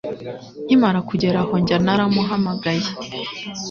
Nkimara kugera aho njya, naramuhamagaye.